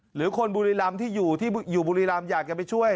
หรือคนบุรีรำที่อยู่ที่อยู่บุรีรำอยากจะไปช่วย